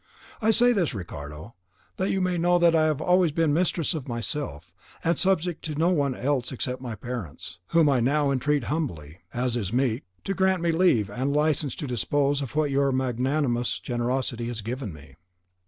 I say this, Ricardo, that you may know that I have always been mistress of myself, and subject to no one else except my parents, whom I now entreat humbly, as is meet, to grant me leave and license to dispose of what your magnanimous generosity has given me."